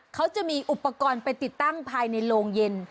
เขาจะมีอุปกรณ์ไปติดตั้งภายในโรงเย็น